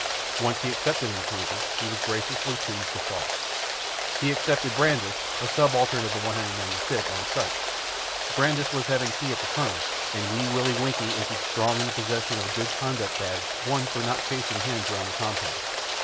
Once he accepted an acquaintance, he was graciously pleased to thaw. He accepted Brandis, a subaltern of the 195th, on sight. Brandis was having tea at the Colonel's, and Wee Willie Winkie entered strong in the possession of a good conduct badge won for not chasing the hens round the compound.